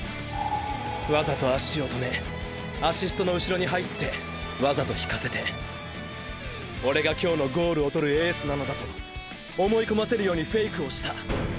わざと脚を止めアシストのうしろに入ってわざと引かせて「オレが今日のゴールを獲るエース」なのだと思いこませるように芝居をした。